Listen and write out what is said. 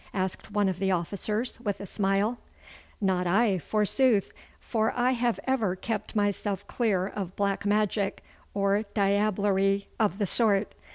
asked one of the officers, with a smile. 'Not I, forsooth, for I have ever kept myself clear of black magic or diablerie of the sort.